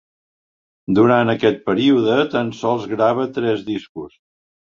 Durant aquest període tan sols grava tres discos.